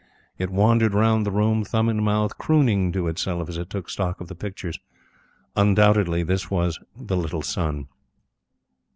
It wandered round the room, thumb in mouth, crooning to itself as it took stock of the pictures. Undoubtedly this was the "little son."